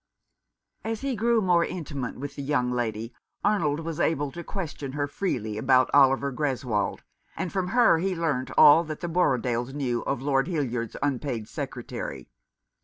As he grew more intimate with the young lady Arnold was able to question her freely about Oliver Greswold, and from her he learnt all that 243 Rough Justice. the Borrodailes knew of Lord Hildyard's unpaid secretary.